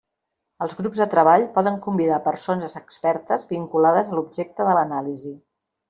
Els grups de treball poden convidar persones expertes vinculades a l'objecte de l'anàlisi.